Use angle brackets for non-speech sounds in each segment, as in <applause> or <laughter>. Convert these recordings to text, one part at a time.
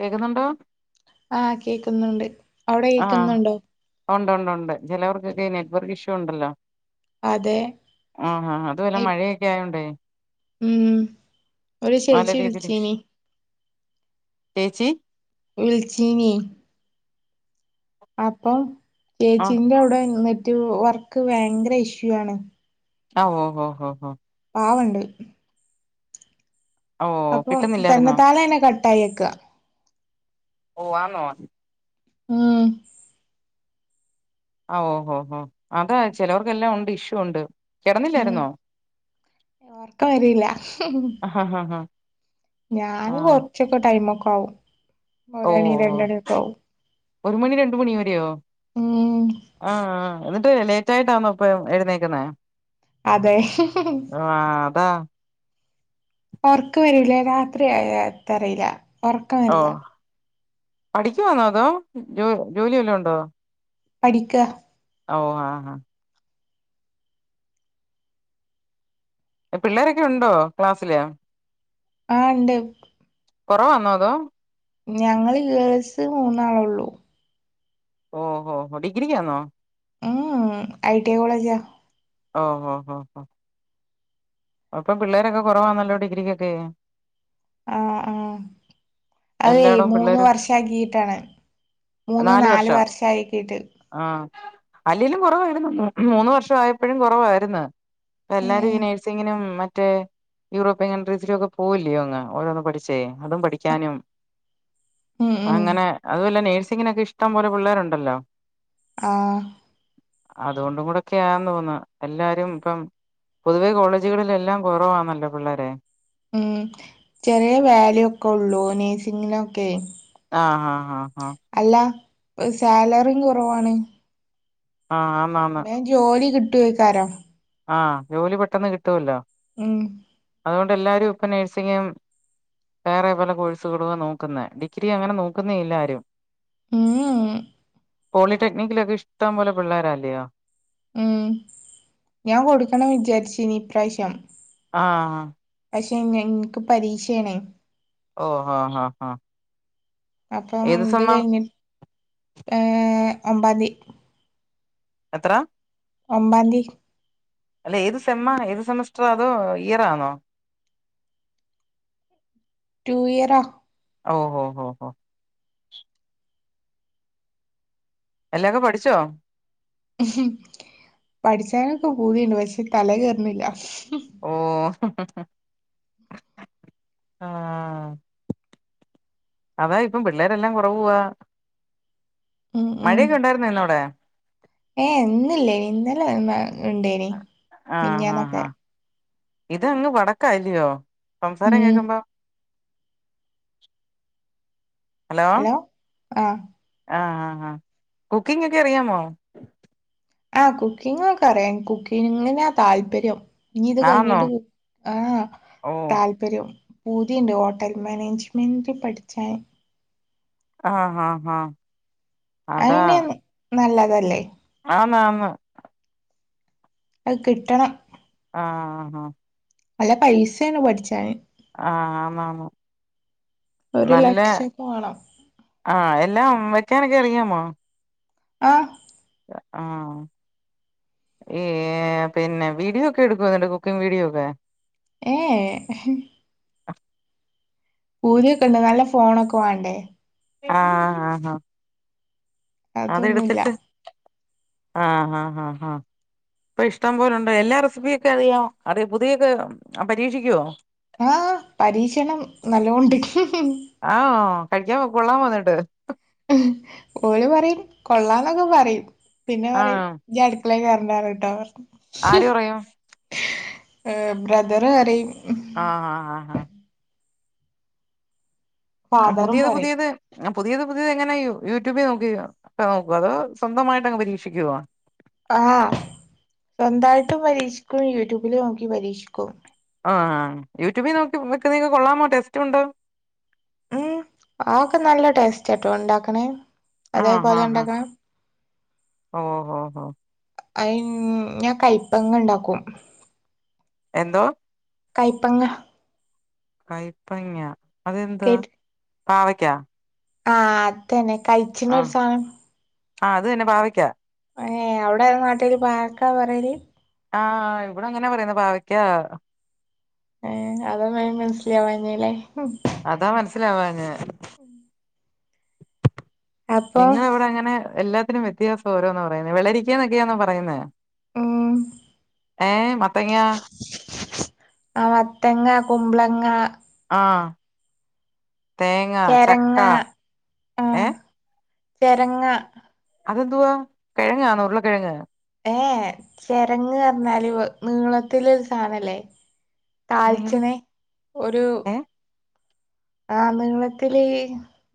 കേക്കുന്നുണ്ടോ ആഹ് കേക്കുന്നുണ്ട് അവിടെ ആഹ് കേക്കുന്നുണ്ടോ ഉണ്ട് ഉണ്ട് ഉണ്ട് ചിലവർക്കൊക്കെ നെറ്റ് വർക്ക് ഇഷ്യൂ ഉണ്ടല്ലോ അതെ ആഹ് അതുപോലെ ഇപ് മഴയൊക്കെ ആയോണ്ടേ ഉം ഒരു നല്ല ചേച്ചി രീതില് ഇഷ് വിളിച്ചീനി ചേച്ചി വിളിച്ചീനി അപ്പം ആഹ് ചേച്ചീന്റെ അവിടെ നെറ്റ് റ്റ് വർക്ക് ഭയങ്കര ഇഷ്യൂ ആണ് ആഹ് ഓഹ് ഓഹ് ഓഹ് ഓഹ് പാവണ്ട് ഓഹ് അപ്പം തന്നെ കിട്ടുന്നില്ലായിരുന്നോ താലന്നെ കട്ട് ആയേക്ക ഓഹ് ആന്നോ ഉം ആഹ് ഓഹ് ഓഹ് ഓഹ് അതാ ചിലവർക്കെല്ലാം ഉണ്ട് ഇഷ്യൂ ഉണ്ട് ഉം കിടന്നില്ലായിരുന്നോ ഓർക്ക വരില്ല ഉം ഉം ഉം ഞാൻ കൊറച്ചൊക്ക ടൈമൊക്കാവും ഒര്ണി ഓഹ് ഓഹ് രണ്ടണിയൊക്കെ ആവും ഒരു മണി രണ്ട് മണി വരെയോ ഉം ആ ആ. എന്നിട്ട് ലേറ്റ് ആയിട്ടാന്നോ ഇപ്പ എഴുന്നേക്ന്നെ അതേ. അതാ ഒർക്കം വരൂലേ രാത്രി ആയത്തറീല്ല. ഓ പഠിക്കുവാന്നോ? അതോ ജോ ജോലിവാലോം ഉണ്ടോ പഠിക്കാ ഓ ആഹ് പിള്ളേരൊക്കെ ഉണ്ടോ ക്ലാസ്സില്? ആണ്ട്. കൊറവാന്നോ അതോ ഞങ്ങള് ഗേൾസ് മൂന്നാളോള്ളൂ. ഓഹോ ഡിഗ്രിക്കാന്നോ? ഉം ഐ ടി എ കോളേജ. ഓ ഹോ ഹോ ഹോ അപ്പം പിള്ളേരൊക്കെ കുറവാണല്ലോ ഡിഗ്രികൊക്കേ? ആഹ് ആഹ് <inaudible> അതേ എല്ലായിടവും മൂന്ന് പിള്ളേര് വർഷാക്കീട്ടാണ്. മൂന്ന് നാല് വർഷായിടീട്ട്. ആ അല്ലേലും കുറവായിരുന്നു. മൂന്ന് വർഷം ആയപ്പഴും കുറവായിര്ന്നു. എല്ലാരും ഈ ഏഹ് നേഴ്സിങ്ങിനും മറ്റേ യൂറോപ്യൻ കൺട്രീസിലൊക്കെ പോവില്ലയോ അങ്ങ്,. ഓരോന്ന് പഠിച്ചേ അതും പഠിക്കാനും ഉം ഉം അങ്ങനെ അതുല്ല നേഴ്സിങ്ങിനൊക്കെ ഇഷ്ടം പോലെ പിള്ളേരുണ്ടല്ലോ? ആഹ്. അതുകൊണ്ട് കുടെക്കെയാന്ന് തോന്നുന്നു. എല്ലാരും ഇപ്പം പൊതുവെ കോളേജുകളില് എല്ലാം കുറവാന്നല്ലോ പിള്ളേരെ ഉം ചെറിയ വാലു വെക്കെ ഒള്ളൂ നഴ്സിങ്ങിനൊക്കെ ആഹ് ആഹ് ആഹ്. അല്ല സാലറിം കൊറവാണ്. ആഹ് ആ. വേം ജോലി കിട്ടൊയ്‌ക്കാരം. ആഹ് ജോലി പെട്ടെന്ന് കിട്ടോല്ലോ? മ്. അതുകൊണ്ട് എല്ലാരും ഇപ്പ നഴ്സിങ്ങും വേറെ പല കോഴ്സുകളൂ നോക്കുന്നെ. ഡിഗ്രി അങ്ങനെ നോക്കുന്നേ ഇല്ലാരും മ് മ്. പോളിടെക്നിക്കിലൊക്കെ ഇഷ്ടം പോലെ പിള്ളാരല്ലയോ? മം ഞാൻ കൊടുക്കണം വിചാരിചിനി ഇപ്രാവശ്യം ആഹ്. പക്ഷെ ഞ്ഞ ഇൻക്ക് പരീക്ഷേണേ. ഓഹോ ആഹ് ആ. അപ്പം ഇത് കയ്ഞ്ഞു ഏ ഒമ്പാതി. എത്ര? ഒമ്പാതി. അല്ല ഏത് സെമ്മ ഏത് സെമസ്റ്ററ ആതോ ഇയർ ആണോ? ടു ഇയർ റാ. ഓഹോ ഓഹോ. എല്ലാംക്കെ പഠിച്ചോ? പഠിച്ചാനൊക്കെ ബൂതിണ്ട് പക്ഷെ തലെ ക്കേറ്ണ്ല്ല. ഓ. ആഹ്. അതാ ഇപ്പം പിള്ളേരെല്ലാം കുറവുവാ ഉം ഉം മഴയൊക്കെ ഇണ്ടായിരു ന്നോ ഇന്നവിടെ? ഏ ഇന്നല്ലേനി ഇന്നല്ല ഉണ്ടേനി ആഹ ആഹ് ഹാ മിഞ്ഞാന്നൊക്കെ ഇത്ങ്ങ് വടക്കല്ലയോ സംസാരം ഉം കേക്കുമ്പോ ഹലോ ആഹ് ആ ആ ഹാ കുക്കിംഗ് ഒക്കെ അറിയാമോ? ആ കുക്കിംഗൊക്കെ അറിയ കുക്കിങ്ങിനാ താല്പര്യം നീ ഇത് ആന്നോ കഴിഞ്ഞിട്ട് പോ ആഹ് ഓ താ ഇ ഒരു പൂതിയുണ്ട് ഹോട്ടൽ മാനേജ്മെൻറ് പഠിച്ചാ ആഹ ആഹ് ആഹ് അതാ അയിന് നല്ലതല്ലേ ആന്ന് ആന്ന്. അത് കിട്ടണം ആഹ നല്ല പൈസയാണ് പഠിച്ചാ ആഹ് ആഹ് ആന്നു.. ഒരു ലക്ഷക്ക വേണം ആഹ് എല്ലാം വെക്കാനൊക്കെ അറിയാമോ.. ആഹ് ആഹ് ഈ പിന്നെ വീഡിയോ ഒക്കെ എടുക്കുവോ കുക്കിംഗ് വീഡിയോ ഒക്കെ ഏഹ് പൂതിയൊക്കെ ഉണ്ട് നല്ല ഫോണൊക്കെ വേ ആഹ് ആഹ് ആഹ് അതൊന്നുല്ല അതെടുത്തിട്ട് ആഹ് ആഹ് ഹ് ഹാ ഇപ്പൊ ഇഷ്ടം പോലുണ്ടണ്ട് എല്ലാ റെസിപ്പിയൊക്കെ അറിയാം അറിയോ പുതിയൊക്കെ പരീക്ഷിക്കുവോ ആഹ് പരീക്ഷണം നല്ലോണ്ട് ആഹ് കഴിക്കാൻ കൊള്ളാൻ പോന്നിട്ട്.. ഓള് പറയും കൊള്ളാംന്നൊക്കെ പറയും പിന്നെ പറയും.. ആഹ് മ കണ്ട കേട്ടോ ആര് പറയും ആന് ബ്രദർ അറി ആഹ് ആഹ് ഹാ ഹാ ആഹ് ഫാദറും പുതിയത് പറയും പുതിയത് പുയത് പുതിയത് എങ്ങനെ യ യൂട്യൂബിൽ നോക്ക ഒക്കെ നോക്കോ അതോ സ്വന്തമായിട്ട്ങ് പരീക്ഷിക്കോ ആഹ് സ്വന്തമായിട്ടും പരീക്ഷിക്കും യൂട്യൂബില് നോക്കി പരീക്ഷിക്കും ആഹ്യൂട്യൂബിൽ നോക്കി വെക്കുന്നക്ക കൊള്ളാമോ ടെസ്റ്റുണ്ടോ. ഉം ആഹ് ഒക്കെ നല്ല ടേസ്റ്റ്ട്ടോ ഉണ്ടാക്കണേ ആ അതേപോലെ ഉണ്ടാക്കണാ ഓഹ് ഓഹ് അ ഞാൻ കയ്പങ്ങ് ഉണ്ടാക്കും. എന്തോ കൈപ്പങ്ങ കയ്പ്പങ്ങ അതെന്താ കേട്ട് പാവക്കാ ആഹ് അത തന്നെ കഴിച്ചിന്ന ഒരു സാധനം ആഹ് അത് തന്നെ പാവിക്കാ ഏഹ് എവിടെയി നാട്ടല് പവക്കാ പറയല് ആഹ് ഇവിടെ അങ്ങനെ പറയുന്ന പാവയ്ക്കാ ഏഹ്അതൊന്ന മനസ്സിലാവാന്നല്ലേ അതാ മനസ്സിലാവാത്തെ ഉ <inaudible> നിങ്ങള എവിടെ ഇങ്ങനെ എല്ലാത്തിനും വ്യത്യാസം ഓരോന്ന് പറയുന്നത് വെള്ളരിക്ക ന്നൊക്കെയാന്നോ പറയുന്നേ ഉം ഏ മത്തങ്ങ ആ മത്തങ്ങ കുമ്പളങ്ങ ആഹ് തേങ്ങ, ചക്ക, ചെരങ്ങ ഏഹ് ചെരങ്ങാ അതെന്തുവാ കിഴങ്ങാണോ ഉർളകിഴങ്ങ് ഏഹ് ചെരങ്ങ് പർഞ്ഞാല് നീളത്തില് ഒരു സാനല്ലേ നിങ്ങള് താൾച്ച്ണെ ഒരു ഏ ആഹ് നീളത്തില്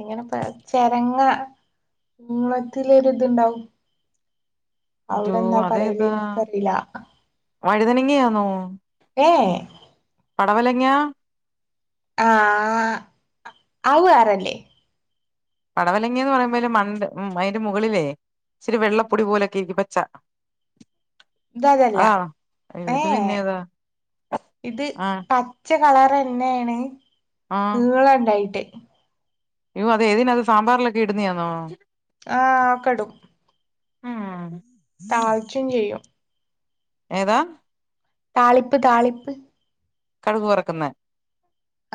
എങ്ങനെപ്പ ചെരെങ്ങ നീളത്തില് ഒരു ഇതുണ്ടാവും തോ പറയല് അതേതാ ഇൻക്കറീല വഴുതനെങ്ങെയാന്നോ ഏഹേ പടവലെങ്ങ്യാ ആ ഔ വേറെ അല്ലെ പടവലെങ്ങ്യാന്ന് പറയുമ്പോ ഒരു മണ്ടേ അതിന്റെ മുകളിലേ ഇച്ചിരി വെള്ളപ്പൊടി പോലെ ഇരിക്കും പച്ച ഇത് അതെല്ലാ അതാണോ അയ്യോ ഇത് ഏഹ് പിന്നെ ഏതാ ഇത് ആഹ് പ- പച്ച കളർന്നേണ് ആഹ് നീളണ്ടായിട്ട് <unintelligible> അത് ഏതിനാ അത് സാമ്പാറിലൊക്കെ ഇടുന്നിയാന്നോ ആ ക്കടും മ് തളിച്ചും ചെയ്യും ഏതാ താളിപ്പ് താളിപ്പ് കടുക് വറക്കുന്നെ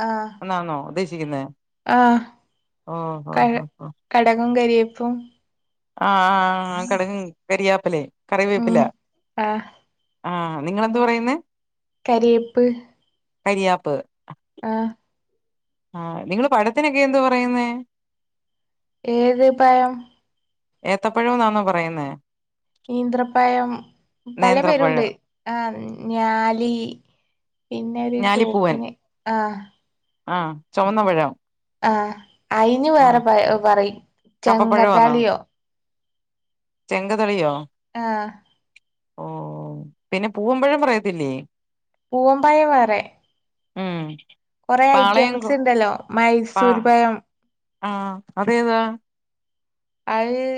ആഹ് എന്നാന്നോ ഉദ്ദേശിക്കുന്നേ ആഹ് ക ഓഹ് കടകും കരിയേപ്പും ആഹ് ആഹ് കട്കും കരിയാപ്പിലേം കറിവേപ്പില ഉം ആഹ് ആഹ് നിങ്ങളെന്ത് പറയുന്ന് കരിയെപ്പ് കരിയാപ്പ് ആഹ് ആ നിങ്ങള് പഴത്തിനൊക്കെ എന്താ പറയുന്നെ ഏത് പഴം ഏത്തപ്പഴോന്നാണോ പറയുന്നേ നീന്ത്രപഴം പലേ പേരുണ്ട് നേന്ത്രപ്പഴം ആഹ് ഞാലി പിന്നെ ഒരു ഞാലിപ്പൂവൻ ചോപ്പിന് ആഹ് ആഹ് ചൊവന്നപഴം ആ അയിന് വേറെ പറയും കപ്പപ്പഴമാന്നോ ചങ്ങത്താളിയോ ചെങ്കതെളിയോ ആ ഓഹ് പിന്നെ പൂവമ്പഴം പറയത്തില്ലേ പൂമ്പഴം വേറെ മ് കുറേ ഐറ്റംസ് ഉണ്ടല്ലോ മൈസൂർ പയം ആ അത് ഏതാ അയീ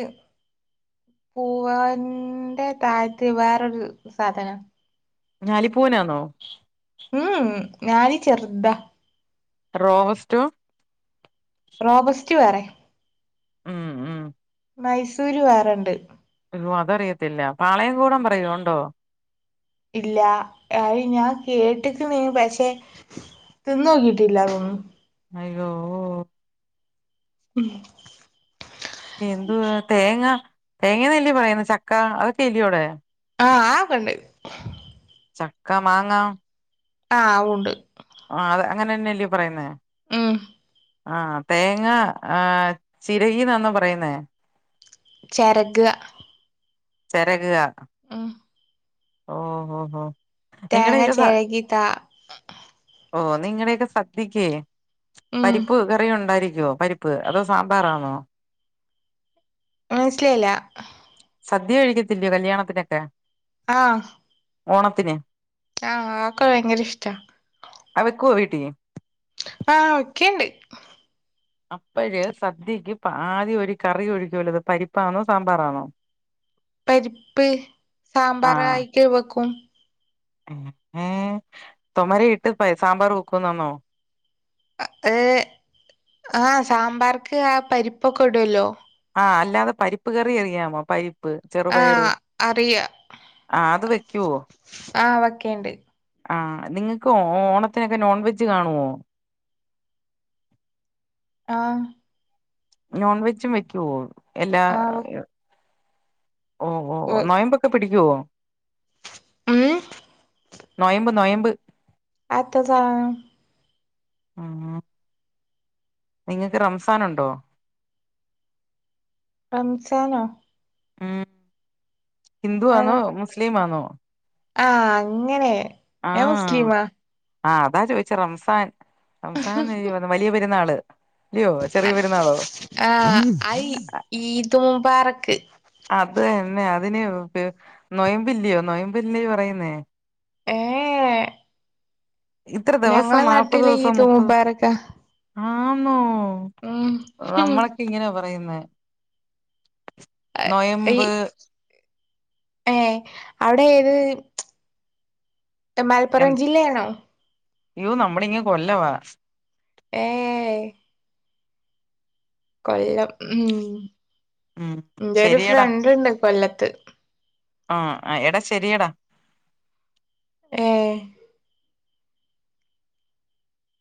പൂവന്റെ തായ്ത്യ വേറൊരു സാധനം ഞാലിപൂവൻ ആന്നോ മ് മ് ഞാനീ ചെറ്താ റോവസ്റ്റോ റോബസ്റ്റ് വേറെ ഉം ഉം മൈസൂര് വേറെണ്ട്. അയ്യോ അതറിയത്തില്ല പാളയംകൂടം പറയോ ഉണ്ടോ? ഇല്ല അയ് ഞാൻ കേട്ട്ക്ക്ണ് പക്ഷേ തിന്ന് നോക്കിയിട്ടില്ല അതൊന്നും. അയ്യോ ഓ ഉം എന്തുവാ തേങ്ങ തേങ്ങന്നെല്ലേ പറയുന്നേ ചക്ക അതൊക്കെയല്ലോ അവിടെ ആഹ് അഹക്കെണ്ട് ചക്ക മാങ്ങ ആഹ അഉണ്ട് ആഹ് അതെ അങ്ങനെയെന്നെയല്ലേ പറയുന്നേ? ഏഹേ ആഹാ തേങ്ങ ആഹാ ചിരകീന്നാണോ പറയുന്നേ? ചെരകാ ചെരകാ ഉം ഓ ഓ ഹോ തേങ്ങ നിങ്ങടക്കെ സദ്യ ചെരകി താ ഓ നിങ്ങടെക്കെ സദ്യക്ക് ഉം പരിപ്പ് കറി ഉണ്ടായിരിക്കുവോ പരിപ്പ് പ്പ് അതോ സാമ്പാറാണോ? മനസ്സിലായില്ല സദ്യ കഴിക്കത്തില്ലയോ കല്യാണത്തിനൊക്കെ? ആഹ ഓണത്തിന് ആഹ് ആകക്കെ ഭയങ്കര ഇഷ്ട അഹ് വെക്കോ വീട്ടി? ആഹ് വെക്കേണ്ട് അപ്പഴ് സദ്യയ്ക്ക് ആദ്യം ഒരു കറി ഒഴികോലോ? പരിപ്പാണോ സാമ്പാറാണോ? പരിപ്പ് സാമ്പാറായിട്ട് വെക്കും. ങ്ങേ തൊമരയിട്ട് പ സാമ്പാർ വേക്കുന്നാന്നോ ആ ഏഹേ ആഹ് സാമ്പാറ്ക്ക് ആഹാ പരിപ്പൊക്കെ ഇട് വെല്ലോ? ആഹ അല്ലാതെ പരിപ്പ് കറി അറിയാമോ? പരി പ്പ് ചെറുപയറ് ആഹ് അറിയ ആ അത് വെക്കുവോ? ആഹ് വെക്കേണ്ട് ആഹ നിങ്ങക്ക് ഓണത്തിനൊക്കെ നോൺ വെജ് കാണുവോ? ആഹ നോൺ വെജും വെക്കുവോ എല്ലാ ആഹ് ഓ ഓ നോയമ്പൊക്കെ പിടിക്കുവോ? ഉം നൊയമ്പ് നൊയമ്പ് അത് എത്താ സാധനം ആഹ് നിങ്ങക്ക് റംസാനുണ്ടോ? റംസാനോ? ഉം ഹിന്ദു ആന്നോ മുസ്ലിം ആന്നോ? ആഹ അങ്ങനെ ഞാൻ ആഹ മുസ്ലിമാ ആഹ അതാ ചോദിച്ചേ റംസാൻ. റംസാൻ വലിയ പെരുന്നാള്. അല്ലിയോ ചെറിയ പെരുന്നാളോ? ആഹ് ഐ ഈദ് മുബാറക്ക് അതനെ അതിന് നൊയമ്പില്ലിയോ നൊയമ്പില്ലി പറയുന്നേ ഏഹ് ഇത്ര ദിവസം ഞങ്ങളെ നാല്പത് നാട്ടില് ദിവസം ഈദ് മുപ്പത് മുബാറക്കാ ആന്നോ ഉം നമ്മളൊക്കിങ്ങനാ പറയുന്നേ ഈ നൊയമ്പ് ഏഹ് അവിടെ ഏത് എ മലപ്പുറം ജില്ലയാണോ അയ്യോ നമ്മുളിങ്ങ് കൊല്ലവാ ഏഹ് കൊല്ലം ഉം ഉം ന്റെരു ശരിയടാ ഫ്രണ്ട്ണ്ട് കൊല്ലത്ത് ആഹ് ആഹ് എടാ ശെരിയടാ ഏഹ്